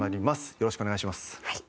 よろしくお願いします。